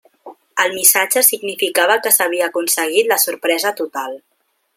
El missatge significava que s'havia aconseguit la sorpresa total.